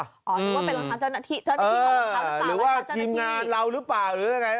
หรือว่าเป็นรองเท้าเจ้าหน้าที่หรือว่าทีมงานเรารึเปล่า